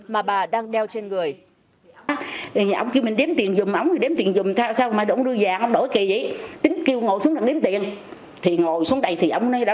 mà bà đang đeo trên người